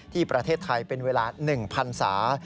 ที่ประเทศไทยเป็นเวลา๑พันศา